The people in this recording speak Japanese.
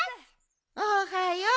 おはよう。